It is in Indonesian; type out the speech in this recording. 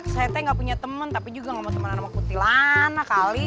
saya teh gak punya temen tapi juga gak mau temenan sama kuntilanak kali